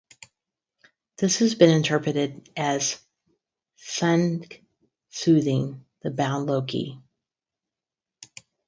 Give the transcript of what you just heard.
This has been interpreted as Sigyn soothing the bound Loki.